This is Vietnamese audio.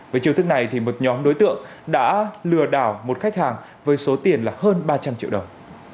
với chiều thức này một nhóm đối tượng đã lừa đảo một khách hàng với số tiền là hơn ba trăm linh triệu đồng